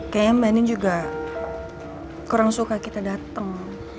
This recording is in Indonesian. kayaknya mbak nin juga kurang suka kita dateng